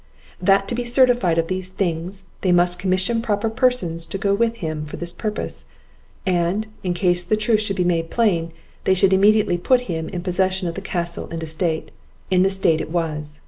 That to be certified of these things, they must commission proper persons to go with him for this purpose; and, in case the truth should be made plain, they should immediately put him in possession of the castle and estate, in the state it was.